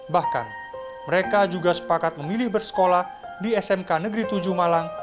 bahkan mereka juga sepakat memilih bersekolah di smk negeri tujuh malang